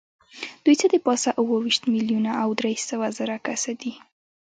دوی څه د پاسه اووه ویشت میلیونه او درې سوه زره کسه دي.